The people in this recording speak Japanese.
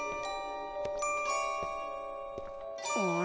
あれ？